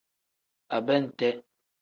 Abente.